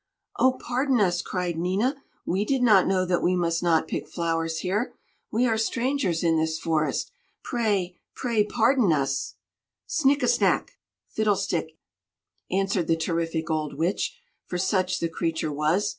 "Oh, pardon us," cried Nina; "we did not know that we must not pick flowers here. We are strangers in this forest. Pray, pray pardon us." "Snikkesnak!" (fiddlestick!) answered the terrific old Witch, for such the creature was.